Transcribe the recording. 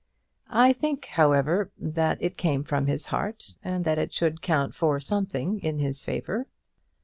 I think, however, that it came from his heart, and that it should count for something in his favour.